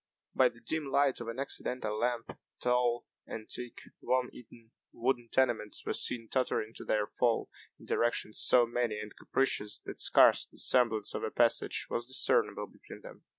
By the dim light of an accidental lamp, tall, antique, worm eaten, wooden tenements were seen tottering to their fall, in directions so many and capricious that scarce the semblance of a passage was discernible between them.